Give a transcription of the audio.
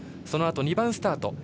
そのあと２番スタート